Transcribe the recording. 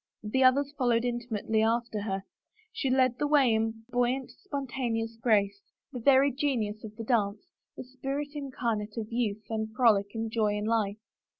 The others followed imitatively after her; she led the way in buoy ant, spontaneous grace, the very genius of the dance, the spirit incarnate of youth and frolic and joy in life.